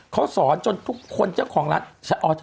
เขาสอนจนทุกคนเจ้าของร้าน